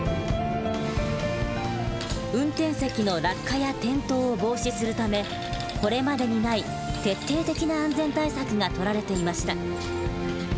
運転席の落下や転倒を防止するためこれまでにない徹底的な安全対策がとられていました。